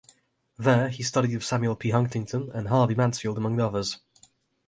There, he studied with Samuel P. Huntington and Harvey Mansfield, among others.